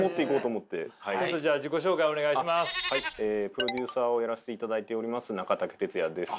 プロデューサーをやらせていただいております中武哲也です。